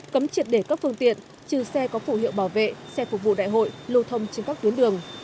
cấm triệt để các phương tiện trừ xe có phụ hiệu bảo vệ xe phục vụ đại hội lưu thông trên các tuyến đường